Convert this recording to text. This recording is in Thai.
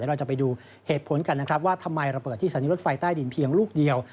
เราจะไปดูเหตุผลกันนะครับว่าทำไมระเบิดที่สถานีรถไฟใต้ดินเพียงลูกเดียว